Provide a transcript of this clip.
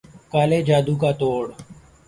کالے جادو کا توڑ